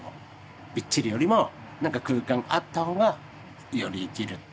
びっちりよりもなんか空間があった方がより生きる。